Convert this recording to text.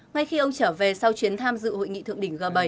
ngay khi ông trở về sau chuyến tham dự hội nghị thượng đỉnh g bảy